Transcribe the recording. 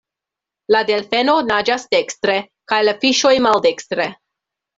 La Delfeno naĝas dekstre, kaj la Fiŝoj maldekstre.